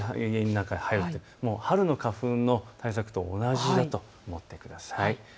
春の花粉の対策と同じだと思ってください。